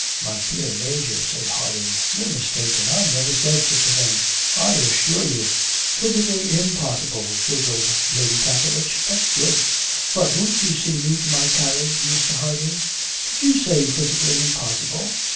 'My dear Major,' said Harding, 'you're mistaken; I never said such a thing, I assure you ' 'Physically impossible,' giggled Lady Castlerich. 'That's good. But won't you see me to my carriage, Mr. Harding. Did you say physically impossible?'